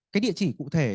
cái địa chỉ cụ thể